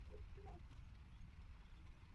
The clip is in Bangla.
আমি তার সাথে কথা বলতে চাই!